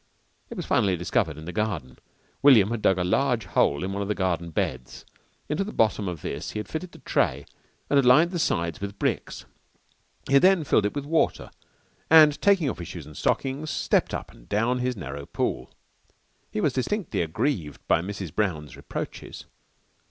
It was finally discovered in the garden. William had dug a large hole in one of the garden beds. Into the bottom of this he had fitted the tray and had lined the sides with bricks. He had then filled it with water, and taking off his shoes and stockings stepped up and down his narrow pool. He was distinctly aggrieved by Mrs. Brown's reproaches.